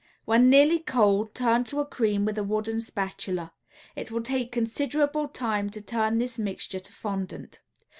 When nearly cold turn to a cream with a wooden spatula. It will take considerable time to turn this mixture to fondant.